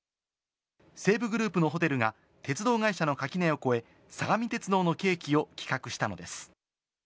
西武グループのホテルが鉄道会社の垣根をこえ、相模鉄道のケーキを企画したのです。